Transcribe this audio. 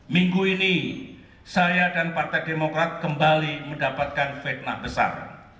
minggu ini saya dan padyd kembali mendapatkan fitnah besar